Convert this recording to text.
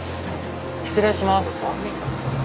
失礼します。